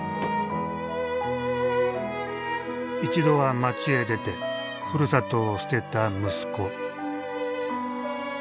一度は町へ出てふるさとを捨てた息子。